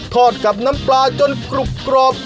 กับน้ำปลาจนกรุบกรอบ